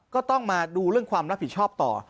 ก็ต้องมาดูเรื่องความรับผิดชอบต่อ